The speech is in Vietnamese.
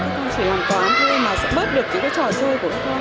các con chỉ làm toán thôi mà sẽ bớt được những cái trò chơi của các con